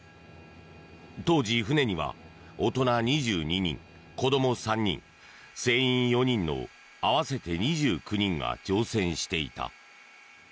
投じ、船には大人２２人子ども３人、船員４人の合わせて２９人が乗船していた。